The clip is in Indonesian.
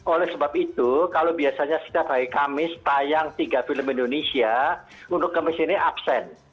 oleh sebab itu kalau biasanya setiap hari kamis tayang tiga film indonesia untuk kemis ini absen